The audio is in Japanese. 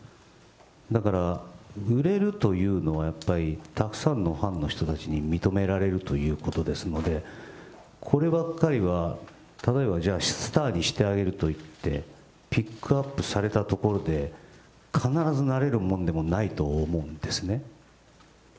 だから、売れるというのはやっぱりたくさんのファンの人たちに認められるということですので、こればっかりは、例えばじゃあスターにしてあげるといってピックアップされたところで、必ずなれるものでもないと思うんですね。